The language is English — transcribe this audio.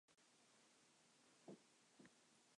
Anyone could live with that.